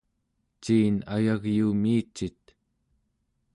ciin ayagyuumiicit?